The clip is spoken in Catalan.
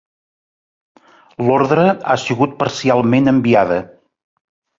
L'ordre ha sigut parcialment enviada.